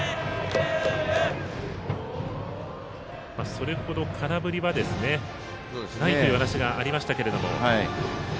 それほど空振りはないという話がありましたけれども。